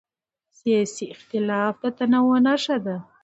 سیاسي اختلاف د تنوع نښه ده